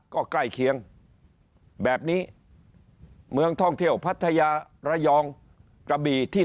ก็ใกล้เคียงแบบนี้เมืองท่องเที่ยวพัทยาระยองกระบี่ที่